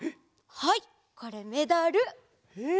はいこれメダル。え！